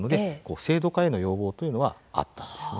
制度化への要望というのはずっとあったんですね。